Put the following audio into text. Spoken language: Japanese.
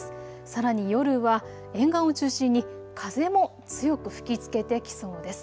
さらに夜は沿岸を中心に風も強く吹きつけてきそうです。